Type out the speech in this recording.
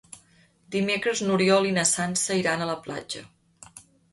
Dimecres n'Oriol i na Sança iran a la platja.